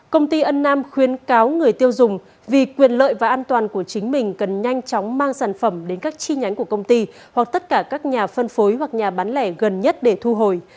công ty ân nam khuyến cáo người tiêu dùng vì quyền lợi và an toàn của chính mình cần nhanh chóng mang sản phẩm đến các chi nhánh của công ty hoặc tất cả các nhà phân phối hoặc nhà bán lẻ gần nhất để thu hồi